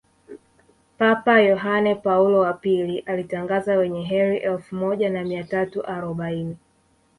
papa yohane paulo wa pili alitangaza Wenye kheri elfu moja na mia tatu arobaini